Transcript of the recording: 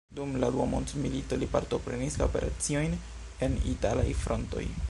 Dum la Dua mondmilito li partoprenis la operaciojn en italaj frontoj.